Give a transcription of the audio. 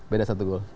beda satu gol